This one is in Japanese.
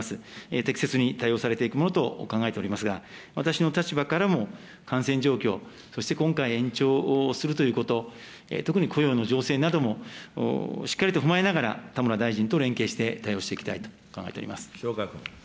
適切に対応されていくものと考えておりますが、私の立場からも感染状況、そして今回延長するということ、特に雇用の情勢などもしっかりと踏まえながら、田村大臣と連携して対応していきたいと考えております。